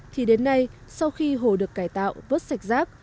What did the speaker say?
thì đến nay sau khi hồ được cải tạo vớt sạch rác